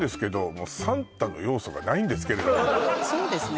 そうですね